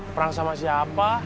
perang sama siapa